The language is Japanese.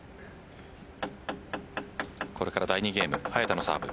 これから第２ゲーム早田のサーブ。